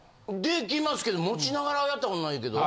できますけど持ちながらはやったことないけど。